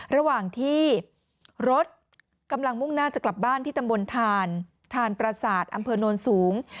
ระหว่างที่รถกำลังมุ่งหน้าจะกลับบ้านที่ตำบลทานประสาทอำเภอโนนสูง